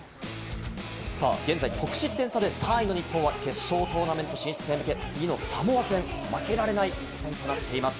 現在、得失点差で３位の日本は決勝トーナメント進出へ向け、次のサモア戦、負けられない一戦となっています。